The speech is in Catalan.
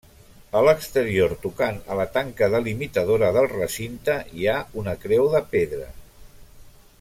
A l'exterior, tocant a la tanca delimitadora del recinte, hi ha una creu de pedra.